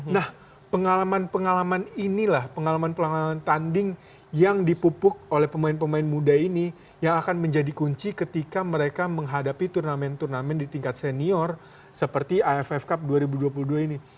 nah pengalaman pengalaman inilah pengalaman pengalaman tanding yang dipupuk oleh pemain pemain muda ini yang akan menjadi kunci ketika mereka menghadapi turnamen turnamen di tingkat senior seperti aff cup dua ribu dua puluh dua ini